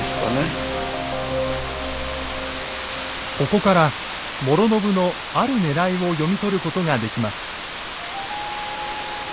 ここから師宣のあるねらいを読み取ることができます。